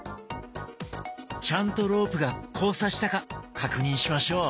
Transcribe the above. ちゃんとロープが交差したか確認しましょう。